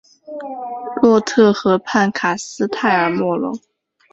洛特河畔卡斯泰尔莫龙。